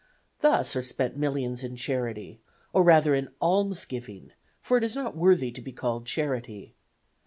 Thus are spent millions in charity, or rather in almsgiving, for it is not worthy to be called charity.